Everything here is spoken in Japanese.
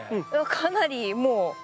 かなりもう。